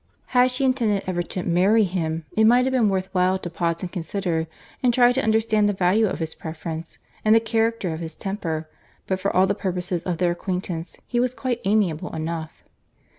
Had she intended ever to marry him, it might have been worth while to pause and consider, and try to understand the value of his preference, and the character of his temper; but for all the purposes of their acquaintance, he was quite amiable enough.